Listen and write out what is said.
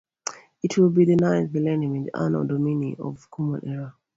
It will be the ninth millennium in the Anno Domini or Common Era.